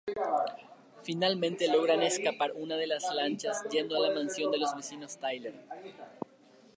Finalmente logran escapar en una lancha yendo a la mansión de los vecinos Tyler.